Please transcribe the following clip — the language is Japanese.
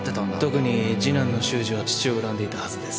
特に次男の修二は父を恨んでいたはずです